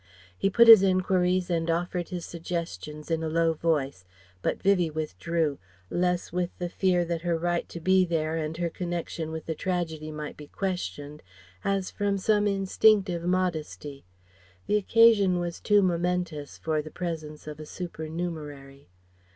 He put his enquiries and offered his suggestions in a low voice, but Vivie withdrew, less with the fear that her right to be there and her connection with the tragedy might be questioned, as from some instinctive modesty. The occasion was too momentous for the presence of a supernumerary.